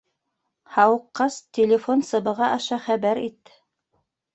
Һауыҡҡас, телефон сыбығы аша хәбәр ит.